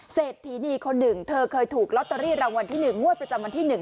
เศรษฐีนีคนหนึ่งเธอเคยถูกลอตเตอรี่รางวัลที่๑งวดประจำวันที่๑